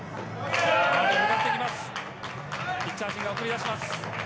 ピッチャー陣が送り出します。